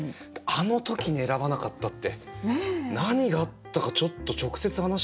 「あの時に選ばなかった」って何があったかちょっと直接話し合いたいっすね。